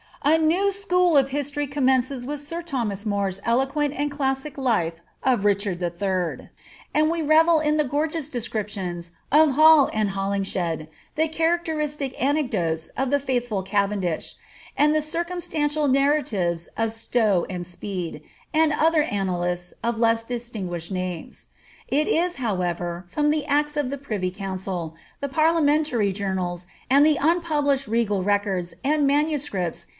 A new school of history commences with sir Thomas More's eloquent and classical life of Richard III. ; and we revel in the gorgeous descrip tions of Hall and Holingshed, the characteristic anecdotes of the f^vlh^ U Cavendish^ and the circumstantial narratives of Stowe and &v^e&% % JPKSFACB. and other aoDalists of less distinguished Dames. It is, however^ from the Acts of the Privy Council, the Parliamentary Joarnals, and the nnpublished Regal Records and MSS.